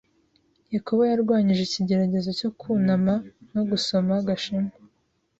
Yakobo yarwanyije ikigeragezo cyo kwunama no gusoma Gashema.